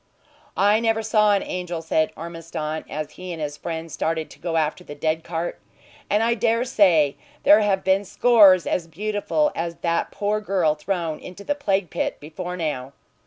"I never saw an angel," said Ormiston, as he and his friend started to go after the dead cart. "And I dare say there have been scores as beautiful as that poor girl thrown into the plague pit before now.